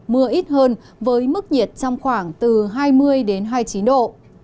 mưa ít hơn với mức nhiệt trong khoảng từ hai mươi hai mươi chín độ